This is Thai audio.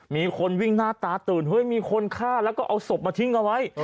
มีคนวิ่งหน้าตาตื่นเฮ้ยมีคนฆ่าแล้วก็เอาศพมาทิ้งเอาไว้